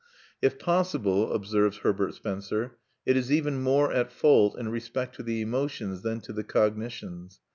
"If possible," observes Herbert Spencer, "it is even more at fault in respect to the emotions than to the cognitions.